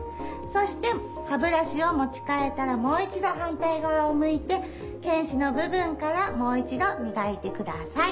そして歯ブラシを持ち替えたらもう一度反対側を向いて犬歯の部分からもう一度みがいて下さい。